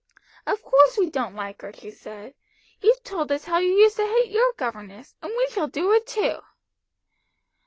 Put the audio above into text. "Of course we don't like her," she said. "You've told us how you used to hate your governess, and we shall do it too."